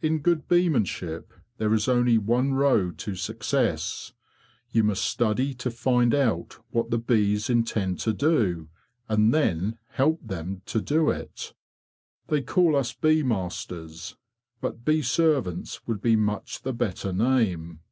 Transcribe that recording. In good beemanship there is only one road to success: you must study to find out what the bees intend to do, and then help them to do it. They call us bee masters, but bee servants would be much the better name.